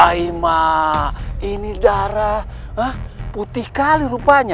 aima ini darah putih kali rupanya